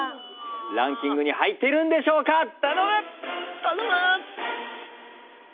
ランキングに入っているんでしょうか。